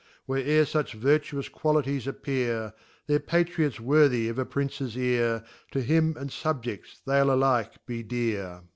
Where ere fuch vertuous qualities appear, They're Patriots worthy of a Princes ear, To Him and Subjects they'l alike be dear.